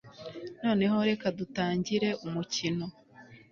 noneho reka dutangire umukino